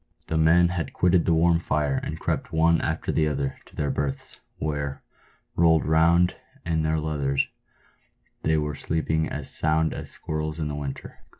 The men had quitted the warm fire and crept one after another to their berths, where, rolled round in their leathers, they were sleeping as sound as squirrels in the winter.